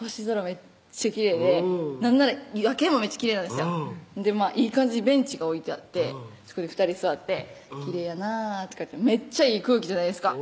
めっちゃきれいでなんなら夜景もめっちゃきれいなんですよいい感じにベンチが置いてあってそこで２人座って「きれいやなぁ」とか言ってめっちゃいい空気じゃないですか